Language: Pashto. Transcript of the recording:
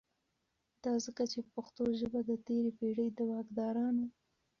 دا ځکه چې پښتو ژبه د تیری پیړۍ دواکدارانو